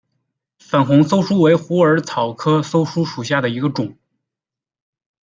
粉红溲疏为虎耳草科溲疏属下的一个种。